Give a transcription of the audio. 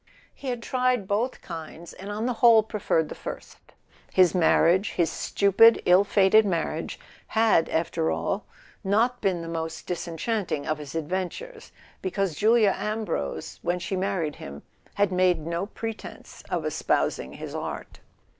He had tried both kinds, and on the whole preferred the first. His marriage, his stupid ill fated marriage, had after all not been the most disenchanting of his adventures, because Julia Ambrose, when she married him, had made no pretense of espousing his art.